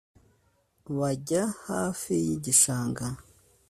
bajya hafi y’igishanga